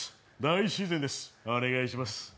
お願いします